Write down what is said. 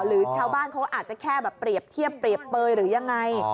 หรือชาวบ้านเขาอาจจะแค่แบบเปรียบเทียบเปรียบเปยหรือยังไง